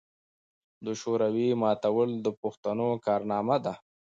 د شوروي ماتول د پښتنو کارنامه ده.